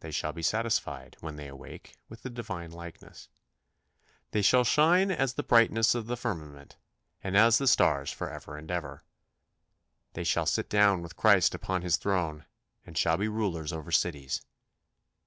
They shall be satisfied, when they awake, with the Divine likeness. "They shall shine as the brightness of the firmament, and as the stars for ever and ever." They shall sit down with Christ upon His throne, and shall be rulers over cities.